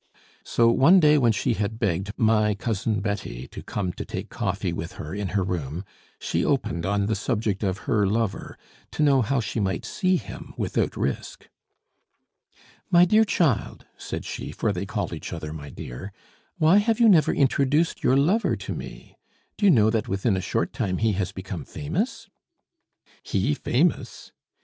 So one day when she had begged "my Cousin Betty" to come to take coffee with her in her room, she opened on the subject of her lover, to know how she might see him without risk. "My dear child," said she, for they called each my dear, "why have you never introduced your lover to me? Do you know that within a short time he has become famous?" "He famous?"